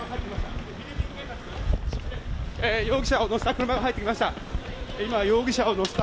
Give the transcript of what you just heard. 容疑者を乗せた車が入ってきました。